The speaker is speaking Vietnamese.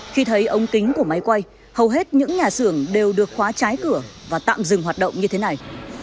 khi thấy ống kính của máy quay hầu hết những nhà xưởng đều được khóa trái cửa và tạm dừng hoạt động như thế này